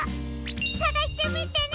さがしてみてね！